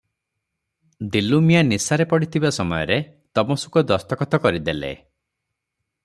ଦିଲୁମିଆଁ ନିଶାରେ ପଡ଼ିଥିବା ସମୟରେ ତମସୁକ ଦସ୍ତଖତ କରିଦେଲେ ।